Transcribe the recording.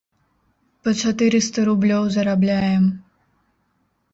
Па чатырыста рублёў зарабляем.